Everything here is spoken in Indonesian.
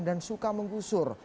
dan suka menggusur